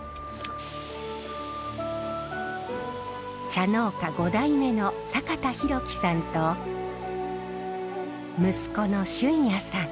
茶農家５代目の阪田広樹さんと息子の峻也さん。